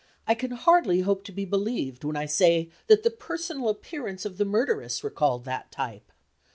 I can hardly hope to be believed when I say that the personal appearance of the murderess recalled that type.